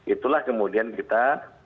itulah kemudian kita